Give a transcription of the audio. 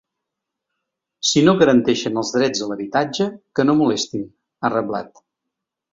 Si no garanteixen els drets a l’habitatge, que no molestin, ha reblat.